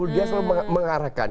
dia selalu mengarahkan